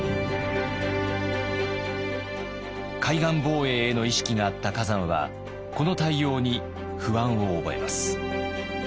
海岸防衛への意識があった崋山はこの対応に不安を覚えます。